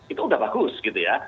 itu udah bagus gitu ya